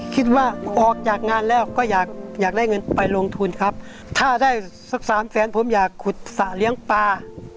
ออกจากงานแล้วก็อยากอยากได้เงินไปลงทุนครับถ้าได้สักสามแสนผมอยากขุดสระเลี้ยงปลา